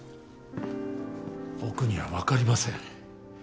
僕には分かりません。